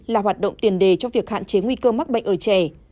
là hoạt động tiền đề cho việc hạn chế nguy cơ mắc bệnh ở trẻ